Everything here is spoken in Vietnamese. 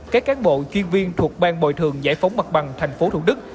các cán bộ chuyên viên thuộc ban bồi thường giải phóng mặt bằng tp thủ đức